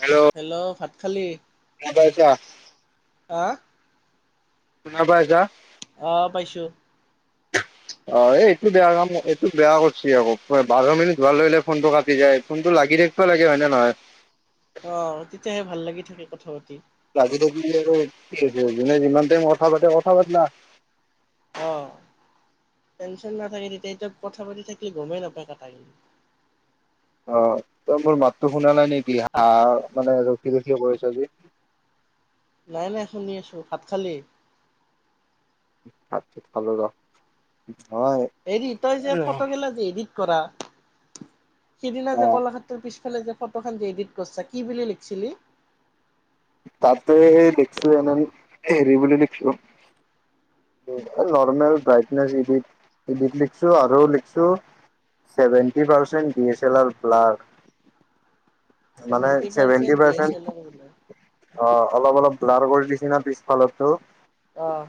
Hello. Hello ভাত খালি? [unintelligible] হা? শুনা পাইছা? অ পাইছোঁ। অ', এইটো বেয়া কাম এইটো বেয়া কৰছি আকৌ বাৰ মিনিট হোৱা লগে লগে ফোনটো কাটি যায়। ফোনটো লাগি থাকব লাগে, হয় নে নহয়? অঁ তেতিয়াহে ভাল লাগি থাকে কথা পাতি। লাগি থকিলে আৰু কি হব, যোনে যিমান টাইম কথা পাতে কথা পাতলাক। অ', টেনচন নাথাকে তেতিয়া এতিয়া কথা পাতি থাকিলি গমে নাপায় কাটাকেই। অ', তই মোৰ মাতটো শুনা নাই নেকি হা ভাত হা মানে ৰখি ৰখি কৈ আছা যে? নাই নাই শুনি আছো, ভাত খালি? ভাত খালোঁ ৰহ, মই হেৰি তই যে ফটো গিলা যি এডিট কৰা, সিদিনা অ যে কলাক্ষেত্ৰতৰ পিছ ফালে যে ফটোখান যে এডিট কৰছা, কি বুলি লিখছিলি? তাতে দেখছো এনেন হেৰি বুলি লিখছো উম, এ, নৰ্মেল ব্ৰাইটনেচ ইডিত, ইডিট লিখছো আৰু লিখছো seventy percent D S এলাৰ blur. মানে চেভেণ্টি চেভেন্টি পাৰ্চেণ দি এ পাৰ্চেন্ট চেলাৰ ব্লাৰ। অ', অলপ অলপ ব্লাৰ কৰি দিছি না পিছফালৰতো। অহ।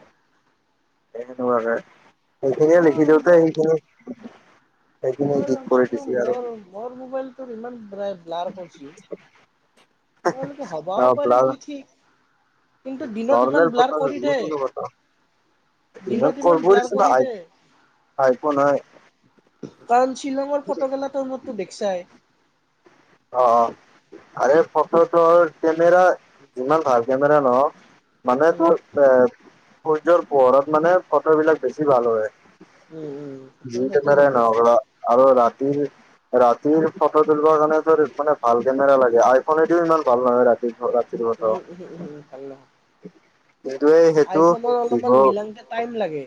তে সেনেকুৱাকে, সেইখিনিয়ে মোৰ লিখি দিওঁতে সেইখিনি সেইখিনি ঐ ৰ গীত চোন কৰি ৰ দিছি আৰু মোৰ মোৰ মোবাইলটো ইমান ব্ৰাই ব্লাৰ কৰচি [unintelligible] তালেতো হবাও পাৰে কি ঠিক! কিন্তু উম দিনত ইমান নৰ্মেল ব্লাৰ ফটো, কৰি দে। যিকোনো ফটো। ইমান দিনত কৰবৈ ব্লাৰ দিছে ন কৰি আই দে আইফোন হয়। কাৰণ শ্বিলংৰ ফটো গেলা তই মৰতো দেখছাই। অঁ অঁ আৰু এই ফটো তোৰ কেমেৰা যিমান ভাল কেমেৰা নহক মানে উম তোৰ এ সূৰ্যৰ পোহৰত মানে ফটো বিলাক বেছি ভাল হয়। উম উম যি সেইটো সেইটো গম কেমেৰাই নহওঁক পাইছো ৰ। আৰু ৰাতিৰ, ৰাতিৰ ফটো তুলিব কাৰণে ফে ভাল কেমেৰা লাগে আইফোনেদিও ইমান ভাল নহয় ৰাতি ফ ৰা [inaudible] উম উম উম উম ভাল নহয় কিন্তু এই সেইটো আইফোনৰ ভিভ অলপমান মিলাংতে টাইম লাগে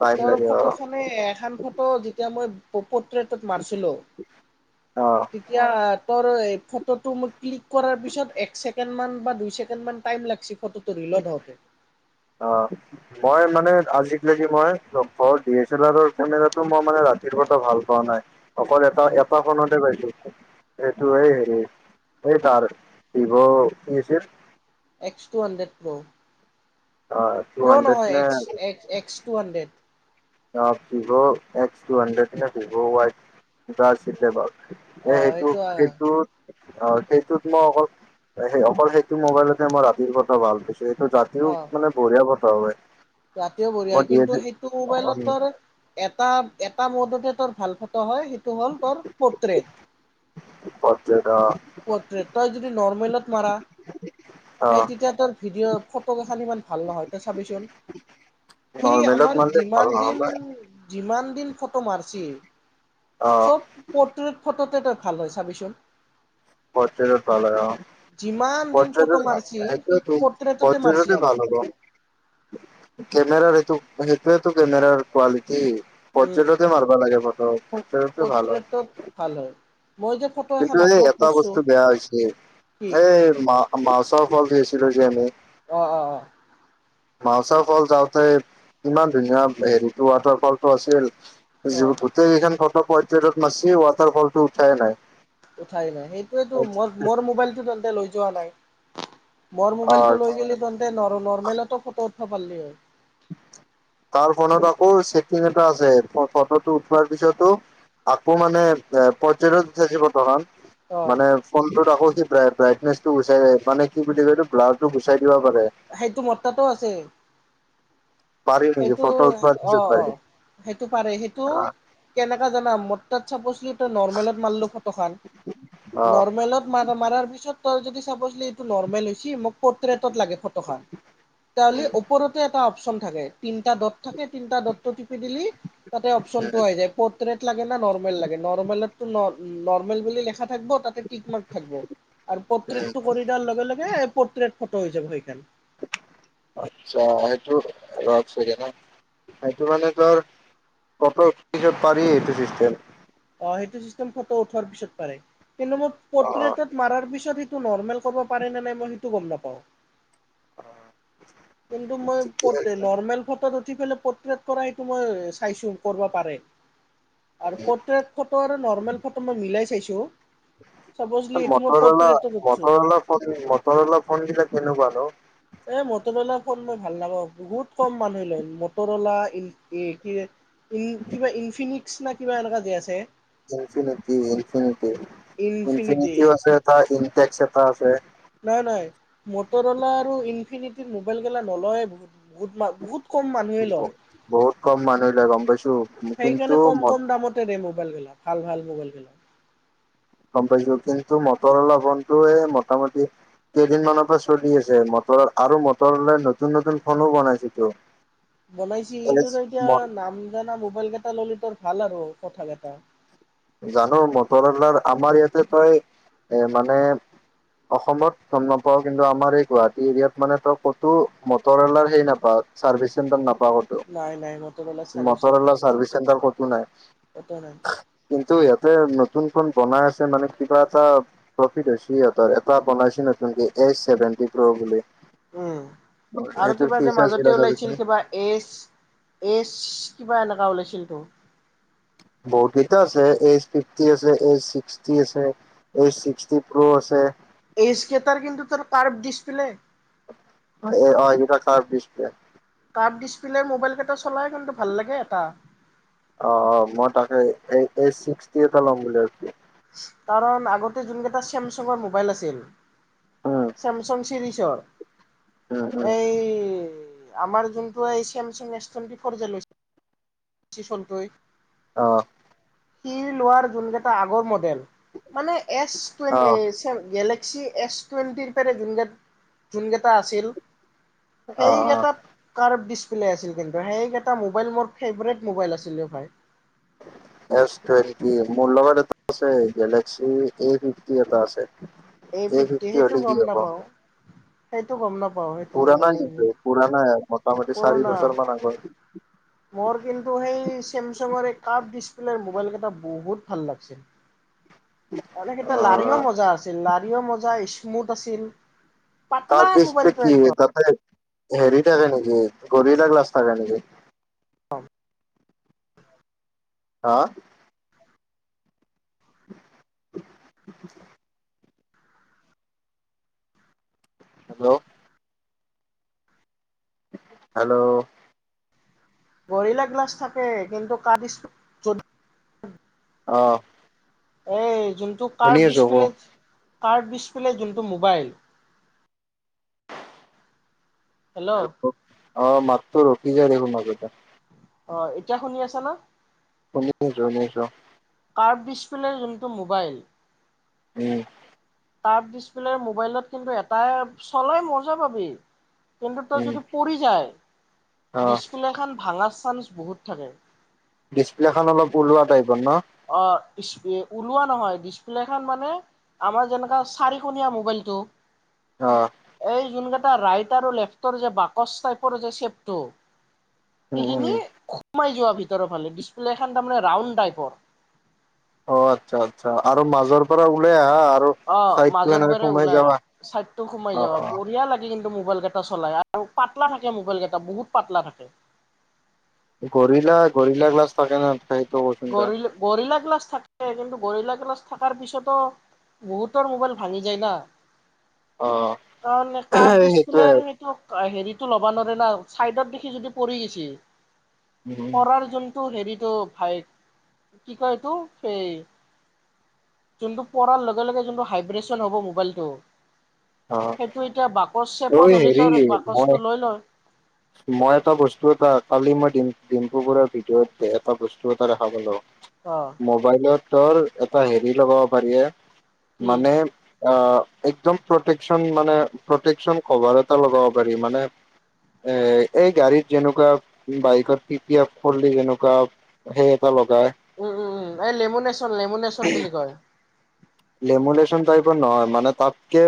পাইপ তৰ লাগে অ ফটোখনে এখন ফটো যেতিয়া মই পত্ৰেতট মাৰিছিলোঁ অ তি তেতিয়া তোৰ ফটোটো মই ক্লিক কৰাৰ পিছত এক ছেকেণ্ড মান বা দুই ছেকেণ্ড মান টাইম লাগছি ফটো তুলিল ধৰক। অহ মই মানে আজি [unintelligible] লগ পাওঁ মই লগ পোৱাৰ ডি এছ এল আৰৰ কেমেৰাটো মই মানে ৰাতিৰ বৰ এটা ভাল পোৱা নাই। অকল এটা অ এটা। ফোনতে পাইছি, এইটো এই হেৰি তাৰ ভিভ কি আছিল? X two hundred pro. Two pro hundred নহয় নে এক্স এক্সএক্স টু হাণ্ড্ৰেড। অহ' ভিভ' এক্স টু হাণ্ড্ৰেড নে ভিভ' ৱাই কিবা আছিলে বাৰু? অ এ সেইটো এইটো অ সেইটোত অ সেইটোত মই অকল সেই অকল সেইটো মোবাইলততে মই ৰাতিৰ ফটো ভাল পাইছোঁ। সেইটো ৰাতিও মানে বঢ়িয়া ফটো ওলাই। ৰাতীও বঢ়িয়া হয়। কিন্তু সেইটো মোবাইলত তোৰ এটা এটা মডতে তোৰ ভাল ফটো হয়, সেইটো হ'ল তোৰ পৰ্ট্ৰেট। পৰ্ট্ৰেট অহ'। পৰ্ট্ৰেট, তই যদি নৰ্মেলত মাৰা। অ এই তেতিয়া তোৰ ভিডিঅ'ৰ ফটো কেইখন ইমান ভাল নহয়, তই চাবিছোঁন সি নৰ্মেলত আমাৰ মানে ভাল যিমান নহ'ব দিন- যিমান দিন ফটো মাৰছি অ চব পৰ্ট্ৰেট ফটোতে তই ভাল হয় চাবিছোঁন। পৰ্ট্ৰেলত ভাল হয় যিমান অহ'। দিন ফটো পৰ্ট্ৰেলত ভাল, মাৰছি সি সেইটোৱেটো পৰ্ট্ৰেটতে মাৰছি পৰ্ট্ৰেলতে আমাক ভাল হব। কেমেৰাৰ এইটো সেইটোৱেটো কেমেৰাৰ কোৱালিটি। উম পৰ্ট্ৰেলতে মাৰবা লাগে ফটো। পৰ্ট্ৰেলতে ভাল হয় ফটো। পৰ্ট্ৰেটত ভাল হয় মই যে ফ, কিন্তু এই এটা বস্তু বেয়া হৈছিল কি এই মা মাছৰ ফল ধুইছিলোঁ যে আমি। অহ, অহ। অহ [unintelligible] যাওঁতে। ইমান ধুনীয়া হেৰিটো ৱাটাৰ ফলটো আছিল। অ যিও অ গোটেই কেইখন ফটো পৰ্ট্ৰেলট মাৰছি ৱাটাৰ ফলটো উঠাই নাই। উঠাই নাই সেইটোৱেটো মোৰ মোৰ মোবাইলটো তেন্তে লৈ যোৱা নাই। মোৰ মোবাইলটো অ লৈ গেলি তহঁতে নৰ্মেলতো ফটো উঠবা পাললি হয়। তাৰ ফোনত আকৌ চেকইন এটা আছে। ফটোটো উঠোৱাৰ পিছতো আকৌ মানে এ পৰ্টেলত থাকিবতো ভাল। অ মানে ফোনটোত আকৌ সি ব্ৰাইটনেচ টো গুচাই মানে কি কয় এইটো ব্লাৰটো গুচাই দিব পাৰে। সেইটো মোৰতাতো আছে। পাৰি নেকি সেইটো ফটো উঠোৱাৰ পিছত অহ' অহ' পাৰি সেইটো পাৰে সেইটো কেনেকা জনাম মোৰ তাত চাপ'ছ তাত নৰ্মেলত মাৰলো ফটো খান। অ নৰ্মেলত মানুহ মাৰাৰ পিছত তই যদি চাবছলি এইটো নৰ্মেল হৈছি মোক পৰ্ট্ৰেইটত লাগে ফটোখন। তেতিয়া হ'লে উম ওপৰতে এটা অপচন থাকে তিনিটা থাকে তিনিটা দত্ত টিপি দিলি তাতে অপচনটো উম আহি যায।, পত ট্ৰেইত লাগে না নৰ্মেল লাগে নৰ্মেলতো নৰ-নৰ্মেল বুলি লিখা থাকিব তাত। পিক মাৰ্ক থাকব আৰু উম পট্ৰেইত কৰি দিয়াৰ লগে লগে পট্ৰেইত ফটো হৈ যাব সেই খান। আচ্ছা সেটো ৰ' এক ছেকণ্ড -সেইটো মানে তোৰ ফটো উঠিব পাৰি এইটো চিষ্টেম। অহ' সেইটো চিষ্টেম ফটো উঠোৱাৰ পিছত পাৰে। কিন্তু মোৰ অ পট্ৰেইতৰ মাৰাৰ পিছত সেইটো নৰ্মেল ক'ব পাৰে নে নাই? মই সেইটো গম নাপাওঁ। অ'। কিন্তু মই [unintelligible] নৰ্মেল ফটোত উঠি পেলাই পট্ৰেইত কৰা সেইটো মই চাইছো কৰিব পাৰে। আৰু পট্ৰেইত ফটো আৰু নৰ্মেল ফটো মই মিলাই চাইছো। চাপছলি এইটো মই পট্ৰেইতত উঠছো। মটৰ'লা ফোন বিলাক কেনেকুৱা নো? এ মটৰ'লা ফোন মই ভাল নাপাওঁ, বহুত ক'ম মানুহ লয়, মটৰ'লা ই এ ই ই কিবা ইনফিনিক্স না কিবা এনেকুৱা যে আছে? ইনফিনিটি ইনফিনিটি ইনফিনিটি ইনফিনিটিও আছে এটা ইনটেক্স এটা আছে। নাই নাই, মটৰ অ'লা আৰু ইনফিনিটিৰ মোবাইল গেলা নলয়ে বহুত। বহুত মান বহুত ক'ম মানুহে ব- লয়, বহুত কম মানুহ লয় গম পাইছো কিন্তু সেইকাৰণে ক'ম মত- ক'ম দামত তে দে মবাইল গিলা ভাল ভাল মোবাইল গিলা। গ'ম পাইছো, কিন্তু মটৰ'লা ফোনটোৱে মোটামুটি কেইদিনমানৰ পৰা চলি আছে মটৰ আৰু মটৰ'লাই নতুন নতুন ফোনো বনাইছেটো। বনাইছে কিন্তু তই এতিয়া নাম জানা মোবাইল কেইটা ল'লি তোৰ ভাল আৰু কথা কেইটা। জানো মট'ৰলাৰ আমাৰ ইয়াতে তই এ মানে অসমত গ'ম নাপাও কিন্তু আমাৰ এই গুৱাহাটী এৰিয়াত মানে তই ক'তো মটৰ'লাৰ হেই নাপাও। চাৰ্ভিচ চেণ্টাৰ নাপাৱ ক'তো, নাই নাই মটৰৱালা চাৰ্ভিচ চেণ্টাৰ মটৰ'লা নাই চাৰ্ভিচ চেণ্টাৰ ক'তো নাই। ক'তো নাই। কিন্তু ইহঁতে নতুন ফোন বনাই আছে মানে কিবা এটা প্ৰফিট হৈছে সিহঁতৰ এটা বনাইছে নতুনকে, এইচ চেভেণ্টি প্ৰ' বুলি। উম, আৰু সেইটোৰ কিবা যে ফিউচাৰ কেইটা মাজতে চাবিচোন ওলাইছিল কিবা এজ এজ্‌ কিবা এনেকা ওলাইছিল তো। বহুত কেইটা আছে, এজ ফিফটি আছে, এইজ ছিক্সটি আছে। এজ ছিক্সটি প্ৰ' আছে। এজ্‌ কেটাৰ কিন্তু তোৰ কাৰ্ভ ডিছপ্লে। অ', এইকেইটাৰ curve display. Curve display mobile কেইটা চলাই কিন্তু ভাল লাগে এটা। অ', অ', মই তাকে এই এজ ছিক্সটি এটা ল'ম বুলি ভাবিছো। কাৰণ আগতে যোন কেইটা চেমচাঙৰ মোবাইল আছিল। উম, চেমচং চিৰিছৰ। উম, উম, এই আমাৰ যোনটো এই চেমচং এছ টুৱেন্টি ফ'ৰ যে লৈছে। [unintelligible] অ'। সি লোৱাৰ যোন কেইটা আগৰ মডেল মানে এছ টোৱে অ', গেলে ক্সি এছ টুৱেন্টিৰ পৰা যোন-যোনকেইটা আছিল অ', অ'। সেইকেইটাত কাৰ্ভ ডিছপ্লে আছিল কিন্তু, সেইকেইটা মোবাইল মোৰ ফেভৰেট মোবাইল আছিল অ', ভাই। [inaudible] এছ টুৱেন্টি মোৰ লগত এটা আছে, গেলেক্সি এ ফিফটি এটা আছে। এই এ ফিফটি ফিফ্টি সেইটো হ'লে গম কি হ'ব। নাপাওঁ সেইটো গ'ম নাপাও। পুৰানা কিন্তু পুৰানা হয় মোটামোটি চাৰি পুৰণা বছৰ মান আগৰ। মোৰ কিন্তু সেই চেমচাঙৰ এই কাৰ্ভ ডিচপ্লেৰ মোবাইল কেইটা বহুত ভাল লাগিছিল। তাৰমানে সেইকেইটা অ লাৰিও মজা আছিল লাৰিও মজা স্মুথ আছিল। পাতলা কাৰ্ভ ডিচপ্লে মোবাইলটো কি, একদম তাতে হেৰি থাকে নেকি? গৰিলা গ্লাছ থাকে নেকি? [unintelligible] হা? [inaudible] হেল্ল'। হেল্ল'। গৰিলা গ্লাচ থাকে, কিন্তু কা অ'। এই যোনটো শুনি ক্ৰাফট আছো ক ডিচপ্লে, ক্ৰাফট ডিচপ্লে যোনটো মোবাইল হেল্ল' হেল্লো', অ', মাতটো ৰখি যায় দেখোন মাজতে। অ', এতিয়া শুনি আছা না? শুনি আছোঁ, শুনি আছোঁ অ'। ক্ৰাফট ডিছপ্লেৰ যোনটো মোবাইল উম'। ক্ৰাফট ডিচপ্লেৰ মোবাইলত কিন্তু এটাই চলাই মজ্জা পাবি। কিন্তু তই উম যদি পৰি যায়, অ ডিছপ্লেখন ভাঙাৰ চান্স বহুত থাকে। ডিচপ্লে খন অলপ ওলোৱা টাইপৰ ন। অ', ওলোৱা নহয়, ডিচপ্লে খন মানে আমাৰ যেনেকা চাৰিকণীয়া মোবাইলটো অ'। এই যোন কেইটা ৰাইট আৰু লেফটৰ যে বাকচ টাইপৰ যে চপটো উম উম সেইখিনি সোমাই যোৱা ভিতৰ ফালে, ডিচপ্লে খন তাৰমানে ৰাউণ্ড টাইপৰ। অ', আচ্ছা আচ্ছা, আৰু মাজৰ পৰা ওলাই আহা আৰু অ', চাইডটো মাজৰ এনেকে পৰাৰে সোমাই ওলাই অহা, যাবা চাইড টো সোমাই অ যাবা, অ বঢ়িয়া লাগে কিন্তু মোবাইল ক কেইটা চলাই আৰু পাতলা থাকে মোবাইল কেইটা, বহুত পাতলা থাকে। গৰিলা গৰিলা গ্লাছ থাকে নহয়? সেইটোতো। গৰিলা গৰিলা গ্লাচ থাকে, কিন্তু গৰিলা গিলাছ থকাৰ পিছতো বহুতৰ মোবাইল ভাঙি যায় না, অ কাৰণ ক্ৰাফট সেইটোৱে ডিচপ্লেৰ ত' হেৰিতটো ল'বা নৰে না, চাইডত দেখি যদি পৰি গৈছে, পৰাৰ যোন টো হেৰিতটো ভাইক কি কয় এইটো সেই যোনটো পৰাৰ লগে লগে যোনটো হাইব্ৰেচন হ'ব মোবাইলটো অ সেইটো এতিয়া বাকচ ঐ চেপত হ'লেই হেৰি তোৰ মই বাকচটো লৈ লয়। মই এটা বস্তু এটা কালি মই ডিম ডিম্পু বৰাৰ ভিডিঅত এটা বস্তু এটা দেখা পালোঁ। অ'। মোবাইলত তোৰ এটা হেৰি লগাব পাৰি এ কি মানে অ', একদম প্ৰটেকচন মানে প্ৰটেকচন কভাৰ এটা লগাব পাৰি, মানে এ এই গাড়ীত যেনেকুৱা বাইকৰ টি পি আফ খুলি এনেকুৱা সেই এপা লগাই উম উম উম, এই লেমুনেচন লেমুনেচন বুলি কয়। লেমুনেচন টাইপৰ নহয় মানে তাতকে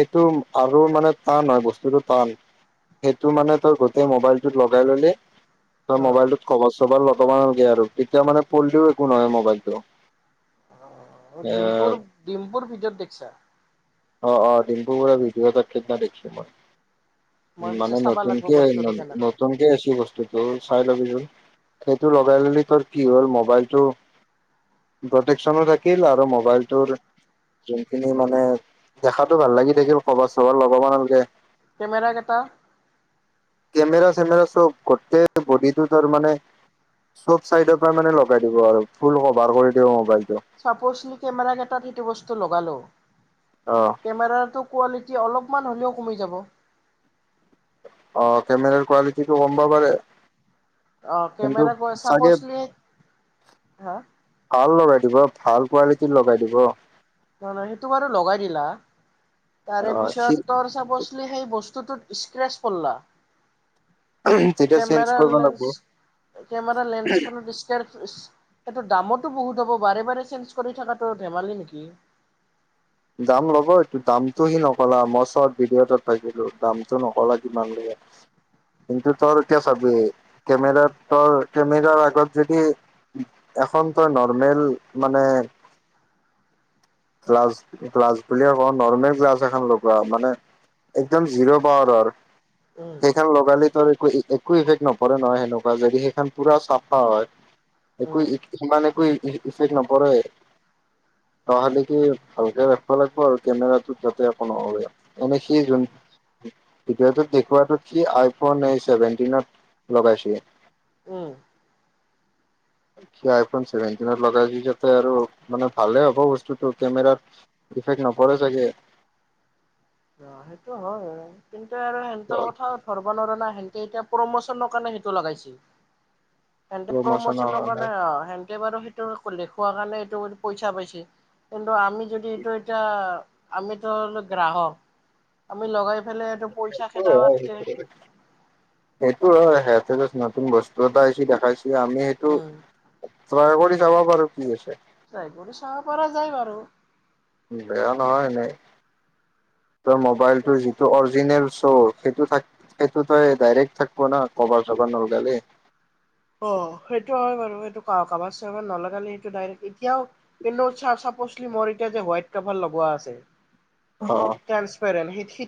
সেইটো আৰু মানে টান হয় বস্তুটো টান। সেইটো মানে তই গোটেই মোবাইলটোত লগাই ললে তই মোবাইলটোত কভাৰ চবাৰ লগাবা নালগে আৰু তেতিয়া মানে পৰলিও একো নহয় মোবাইলটো। অ এ ডিম্পুৰ ডিম্পুৰ ভিডিওত দেখিছা। অ অ ডিম্পু বৰুৱাৰ ভিডিঅ'ত সেইদিনা দেখিছোঁ মই। মই পিছে মানে চাবা লাগব নতুনকে বস্তুটো কেনেকা নতুনকে আইছি বস্তুটো। সেইটো চাই লবি চোন, সেইটো লগাই ললে তোৰ কি হ'ল মবাইলটো প্ৰটেকচনো থাকিল, আৰু মোবাইলটোৰ যোনখিনি মানে দেখাতো ভাল লাগি থাকিল কবাৰ চবাৰ লগাব নালাগে। কেমেৰা কেইটা? কেমেৰা চেমেৰা চব গোটেই বডীটো তাৰমানে চব চাইডৰ পৰা মানে লগাই দিব আৰু, ফুল কভাৰ কৰি দিব মোবাইলটো। চাপচলি কেমেৰা কেইটাত সেইটো বস্তু লগালো। অহ। কেমেৰাটোৰ কোৱালিটি অলপমান হ'লেও কমি যাব। অ কেমেৰাৰ কোৱালিটিটো কমবা পাৰে। অ কিন্তু কেমেৰা গৈ চাগে চাপচলি, হা? ভাল লগাই দিব, ভাল কোৱালিটিৰ লগাই দিব। মানে সেইটো বাৰু লগাই দিলা, অ সি তাৰেপিছত তোৰ চাপজ সেই বস্তুটোত স্ক্ৰেছ পৰলা তেতিয়া চেঞ্জ কেমেৰা কৰিব লাগিব লেন্স কেমেৰাৰ লেন্স খনত ইচ [unintelligible] সেইটো দামতো বহুত হ'ব বাৰে বাৰে চেঞ্জ কৰি থকাতো ধেমালি নেকি! দাম লব এইটো দামটো সি নকলা মই চৰ্ত ভিডিঅ' এটাত পাইছিলোঁ, দামটো নকলা কিমান লাগে। কিন্তু তৰ এতিয়া চাবি কেমেৰা তৰ কেমেৰাৰ আগত যদি এখন তই নৰ্মেল মানে গ্লাছ গ্লাছ বুলিয়ে কওঁ, নৰ্মেল গ্লাছ এখন লগোৱা মানে একদম জিৰ' পাৱাৰৰ। উম সেইখন লগালে তৰ একো একো ইফেক্ট নপৰে নহয় সেনেকুৱা, যদি সেইখন পোৰা চাফা হয়। একো উম ই সিমান একো ইফেক্ট নপৰে, নহলে কি ভালকে ৰাখিব লাগিব আৰু কেমেৰাটোত যাতে একো নহলে, এনে সি উম যোন ভিডিঅ টোত দেখুৱাটোত সি আইফোন এই চিভেনটিনত লগাইছে। উম। সি আইফোন ছেভেনটিনত লগাই দি যাতে আৰু, মানে ভালে হ'ব বস্তুটো কেমেৰাৰ ইফেক্ট নপৰে চাগে। অঁ সেইটো হয়, কিন্তু আৰু সিহতৰ কথাও ধৰব নোৱাৰোঁ না, সিহঁতি এতিয়া প্ৰমোচনৰ কাৰণে সেইটো লগাইছে। সিহঁতে প্ৰমোচনৰ কাৰণে অ সেনকে বাৰু সেইটো দেখোৱা কাৰণে এইটো পইচা পাইছে। কিন্তু আমি যদি এইটো এতিয়া আমিতো হলো গ্ৰাহক। আমি লগাই পেলাই এইটো পইচা খেদাৱাতকে সেইটো হয়, সিহঁতে জাষ্ট নতুন বস্তু এটা আহছি দেখাইছি আমি সেইটো উম ট্ৰাই কৰি চাবা পাৰো কি আছে। ট্ৰাই কৰি চাবা পাৰা যায় বাৰু। বেয়া নহয় এনেই, তই মোবাইলটোৰ যিটো অৰিজিনেল চ সেইটো থাক সেইটো তই ডাইৰেক্ট থাকিব ন কবাৰ চভাৰ নলগালে। অ সেইটো হয় বাৰু, এইটো কাভাৰ চবাৰ নলগালি সেইটো ডাইৰেক্ট এতিয়াও কিন্তু চাপচলি মোৰ এতিয়া যে হোৱাইট কাভাৰ লগোৱা আছে। অঁ'। ট্ৰেন্সফাৰ হিত হিত